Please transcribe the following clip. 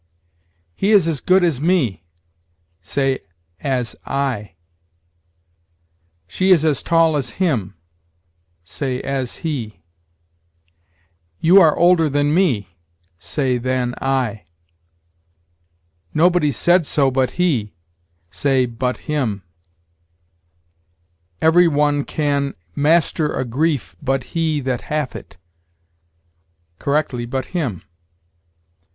"He is as good as me": say, as I. "She is as tall as him": say, as he. "You are older than me": say, than I. "Nobody said so but he": say, but him. "Every one can master a grief but he that hath it": correctly, but him.